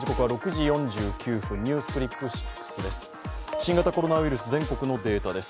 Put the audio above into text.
新型コロナウイルス全国のデータです。